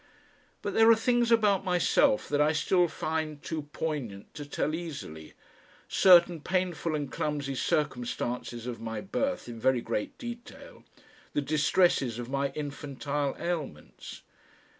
But there are things about myself that I still find too poignant to tell easily, certain painful and clumsy circumstances of my birth in very great detail, the distresses of my infantile ailments.